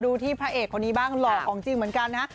ที่พระเอกคนนี้บ้างหล่อของจริงเหมือนกันนะฮะ